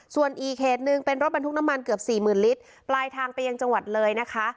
ส่วนอีกเหตุหนึ่งเป็นรถบรรทุกน้ำมันเกือบสี่หมื่นลิตรปลายทางไปยังจังหวัดเลยนะคะ